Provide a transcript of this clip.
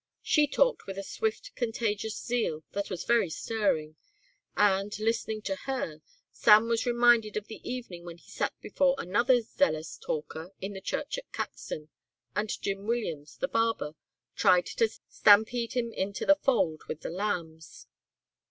She talked with a swift, contagious zeal that was very stirring, and, listening to her, Sam was reminded of the evening when he sat before another zealous talker in the church at Caxton and Jim Williams, the barber, tried to stampede him into the fold with the lambs.